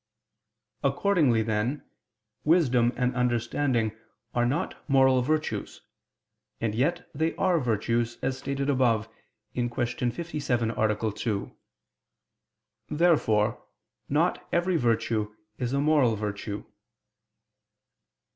Accordingly, then, wisdom and understanding are not moral virtues: and yet they are virtues, as stated above (Q. 57, A. 2). Therefore not every virtue is a moral virtue.